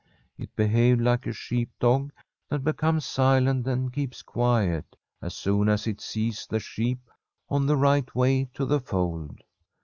It behaved like a sheep dog that becomes silent and keeps quiet as soon as it sees the sheep on the right way to the fold.